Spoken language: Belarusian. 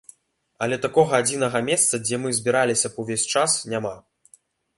Але такога адзінага месца, дзе мы збіраліся б увесь час, няма.